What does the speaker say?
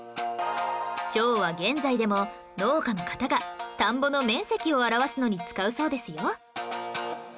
「町」は現在でも農家の方が田んぼの面積を表すのに使うそうですよ